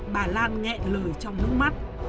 bà lan ngẹ lời trong nước mắt